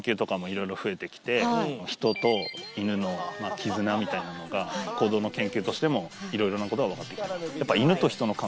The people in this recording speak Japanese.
絆みたいなものが行動の研究としてもいろいろなことが分かってきています